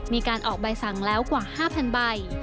มีการออกใบสั่งแล้วกว่า๕๐๐ใบ